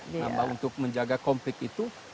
nah untuk menjaga konflik itu